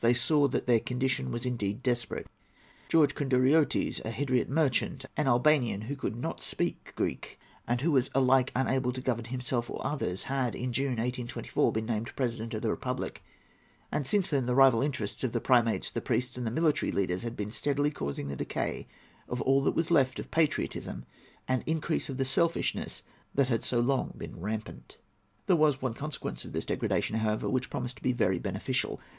They saw that their condition was indeed desperate. George Konduriottes, a Hydriot merchant, an Albanian who could not speak Greek, and who was alike unable to govern himself or others, had, in June, 1824, been named president of the republic, and since then the rival interests of the primates, the priests, and the military leaders had been steadily causing the decay of all that was left of patriotism and increase of the selfishness that had so long been rampant. There was one consequence of this degradation, however, which promised to be very beneficial.